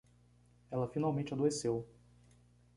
Ela finalmente adoeceu